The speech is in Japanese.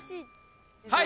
はい